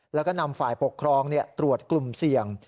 แล้วก็นำฝ่ายปกครองตรวจกลุ่มเสี่ยง